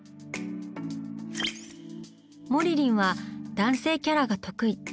「もりりん」は男性キャラが得意。